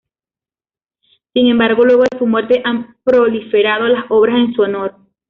Sin embargo, luego de su muerte, han proliferado las obras en su honor.